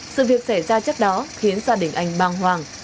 sự việc xảy ra trước đó khiến gia đình anh băng hoàng